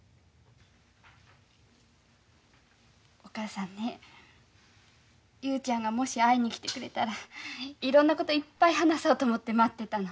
お母さんね雄ちゃんがもし会いに来てくれたらいろんなこといっぱい話そうと思って待ってたの。